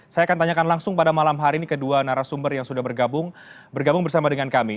saya akan tanyakan langsung pada malam hari ini kedua narasumber yang sudah bergabung bersama dengan kami